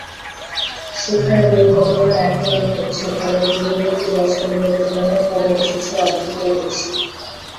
সেখানে দুর্ঘটনা এখনো ঘটছে, তবে পূর্ববর্তী বছরগুলোর তুলনায় কমে এসেছে অর্ধেকের বেশি।